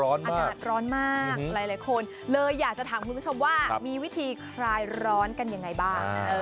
อากาศร้อนมากหลายคนเลยอยากจะถามคุณผู้ชมว่ามีวิธีคลายร้อนกันยังไงบ้าง